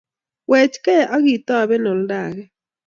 Wechgei akitoben oldo age